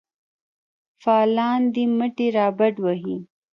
فعالان دي مټې رابډ وهي.